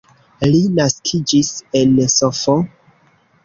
Li naskiĝis en Sf.